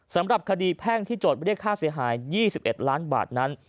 สำหรับคดีแพ่งที่โจทย์เรียกค่าเสียหาย๒๑ล้านบาทนั้น